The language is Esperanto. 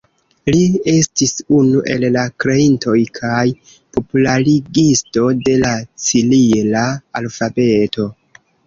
Li estis unu el la kreintoj kaj popularigisto de la cirila alfabeto.